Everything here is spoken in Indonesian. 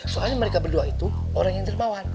soalnya mereka berdua itu orang yang terbawa